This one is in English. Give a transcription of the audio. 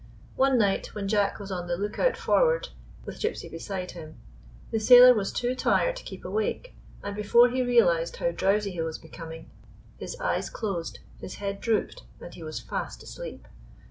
One night, when Jack was on the lookout for ward, with Gypsy beside him, the sailor was too tired to keep awake, and before he realized how drowsy he was becoming his eyes closed, his head drooped, and he was fast asleep.